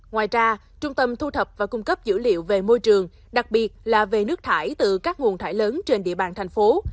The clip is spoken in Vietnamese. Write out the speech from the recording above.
ngoài ra trung tâm thu thập và cung cấp dữ liệu về môi trường đặc biệt là về nước thải từ các nguồn thải lớn trên địa bàn thành phố